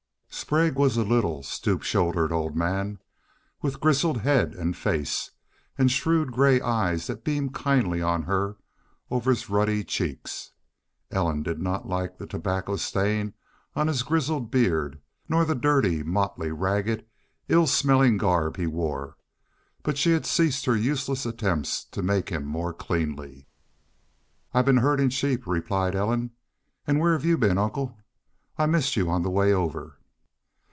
Sprague was a little, stoop shouldered old man, with grizzled head and face, and shrewd gray eyes that beamed kindly on her over his ruddy cheeks. Ellen did not like the tobacco stain on his grizzled beard nor the dirty, motley, ragged, ill smelling garb he wore, but she had ceased her useless attempts to make him more cleanly. "I've been herdin' sheep," replied Ellen. "And where have y'u been, uncle? I missed y'u on the way over."